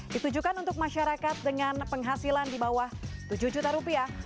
ditujukan untuk masyarakat dengan penghasilan di bawah tujuh juta rupiah